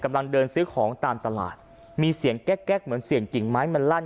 กำลังเดินซื้อของตามตลาดมีเสียงแก๊กแก๊กเหมือนเสียงกิ่งไม้มันลั่น